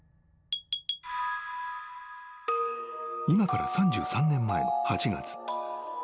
［今から３３年前の８月］